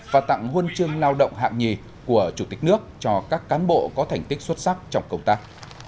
và tặng huân chương lao động hạng nhì của chủ tịch nước cho các cán bộ có thành tích xuất sắc trong công tác